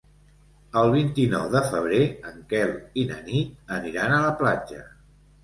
El vint-i-nou de febrer en Quel i na Nit aniran a la platja.